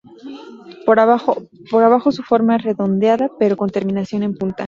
Por abajo su forma es redondeada, pero con terminación en punta.